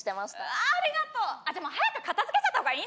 ありがとう！じゃあ早く片付けちゃった方がいいね。